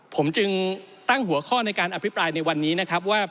ผมจึงตั้งหัวข้อในการอภิปรายในวันนี้นะครับว่า